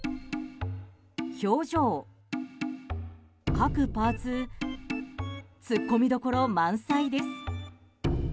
表情、各パーツ、突っ込みどころ満載です。